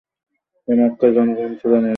এ সময় মক্কার জনগণ ছিল নির্বাক।